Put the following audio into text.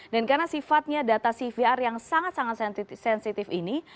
dan karena sifatnya data cvr yang sangat sangat sensitif ini